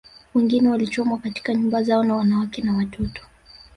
Wengine walichomwa katika nyumba zao na wanawake na watoto